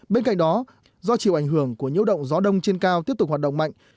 bên cạnh đó do chịu ảnh hưởng của nhiễu động gió đông trên cao tiếp tục hoạt động mạnh